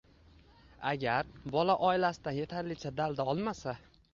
Agar bola oilasidan yetarlicha dalda olmasa